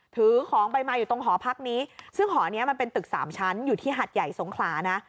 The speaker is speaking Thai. ถือของไปมาอยู่ตรงหอพักนี้ซึ่งหอนี้มันเป็นตึกสามชั้นอยู่ที่หัดใหญ่สงขลานะ